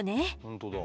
本当だ。